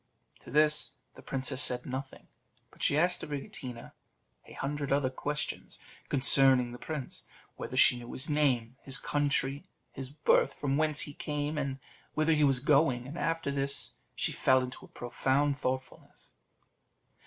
To this the princess said nothing, but she asked Abricotina a hundred other questions concerning the prince; whether she knew his name, his country, his birth, from whence he came, and whither he was going; and after this she fell into a profound thoughtfulness.